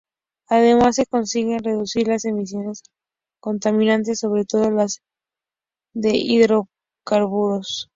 Además se consiguen reducir las emisiones contaminantes, sobre todo las de hidrocarburos.